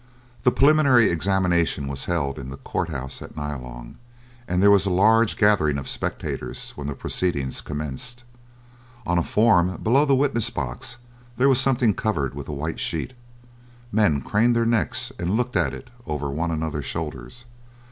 The preliminary examination was held in the court house at Nyalong, and there was a large gathering of spectators when the proceedings commenced. On a form below the witness box there was something covered with a white sheet. Men craned their necks and looked at it over one another's shoulders.